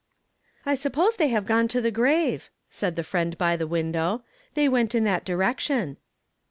'" "I suppose they have gone to the grave," said the friend by the window; "they Avent in that direction."